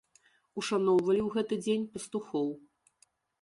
Ушаноўвалі ў гэты дзень пастухоў.